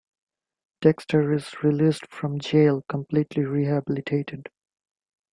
Dexter is released from jail, completely rehabilitated.